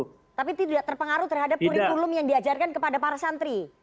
tapi tidak terpengaruh terhadap kurikulum yang diajarkan kepada para santri